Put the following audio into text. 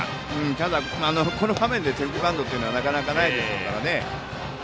ただ、この場面でセーフティーバントというのはなかなかないでしょうからね。